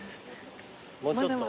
もうちょっと？